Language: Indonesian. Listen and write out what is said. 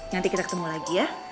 nanti kita ketemu lagi ya